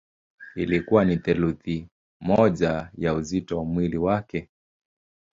Ilikuwa ni theluthi moja ya uzito wa mwili wake.